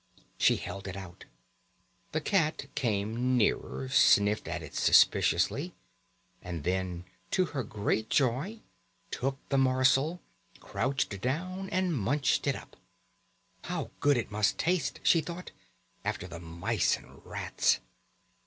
She held it out. The cat came nearer, sniffed at it suspiciously, and then to her great joy took the morsel, crouched down, and munched it up. "How good it must taste," she thought, "after the mice and rats."